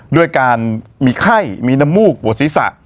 ด้วยการมีไข้มีน้ำมูกปวดศีรษะ